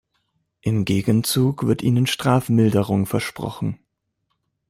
Im Gegenzug wird ihnen Strafmilderung versprochen.